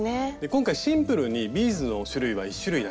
今回シンプルにビーズの種類は１種類だけ。